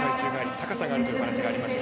高さがあるというお話がありました。